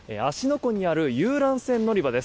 湖にある遊覧船乗り場です。